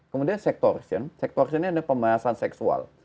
kemudian sektor sektor ini adalah pembahasan seksual